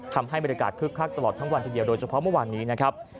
ทำให้บรรยากาศคึกคักตลอดทั้งวันทีเดียวโดยเฉพาะเมื่อวานนี้นะครับ